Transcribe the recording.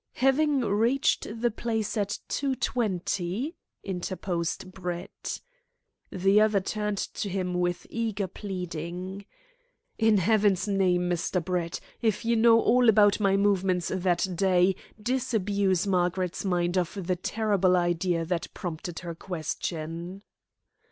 "Having reached the place at 2.20?" interposed Brett. The other turned to him with eager pleading. "In Heaven's name, Mr. Brett, if you know all about my movements that day, disabuse Margaret's mind of the terrible idea that prompted her question."